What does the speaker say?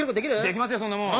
できますよそんなもん。